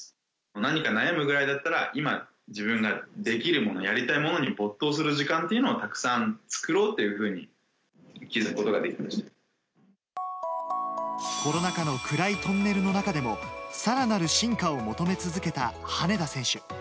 何か悩むぐらいだったら、今、自分ができるもの、やりたいものに没頭する時間というものをたくさん作ろうというふコロナ禍の暗いトンネルの中でも、さらなる進化を求め続けた羽根田選手。